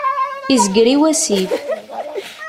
Izger i wasif.